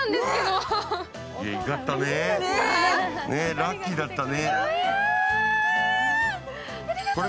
ラッキーだったね。